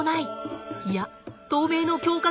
いや透明の強化